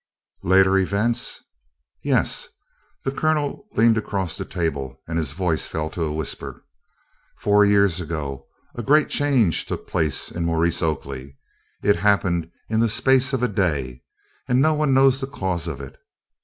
"Later events?" "Yes." The Colonel leaned across the table and his voice fell to a whisper. "Four years ago a great change took place in Maurice Oakley. It happened in the space of a day, and no one knows the cause of it.